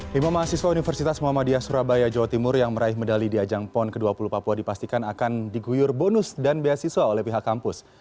lima mahasiswa universitas muhammadiyah surabaya jawa timur yang meraih medali di ajang pon ke dua puluh papua dipastikan akan diguyur bonus dan beasiswa oleh pihak kampus